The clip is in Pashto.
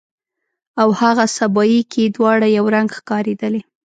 او هاغه سبایي کې دواړه یو رنګ ښکاریدلې